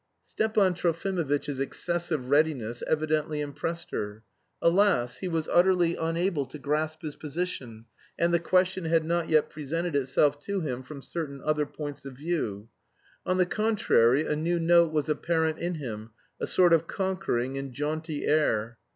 Stepan Trofimovitch's excessive readiness evidently impressed her. Alas! he was utterly unable to grasp his position, and the question had not yet presented itself to him from certain other points of view. On the contrary a new note was apparent in him, a sort of conquering and jaunty air.